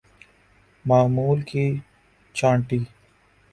معمول کی چھانٹی